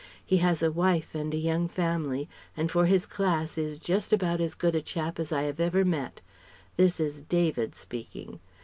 He has a wife and a young family, and for his class is just about as good a chap as I have ever met this is 'David' speaking!